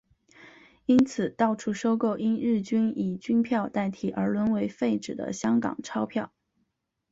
因此到处收购因日军以军票代替而沦为废纸的香港钞票。